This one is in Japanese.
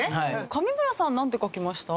上村さんなんて書きました？